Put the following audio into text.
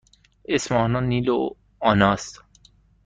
اسم آنها نیل و آنا است.